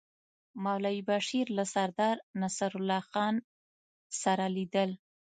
مولوي بشیر له سردار نصرالله خان سره لیدل.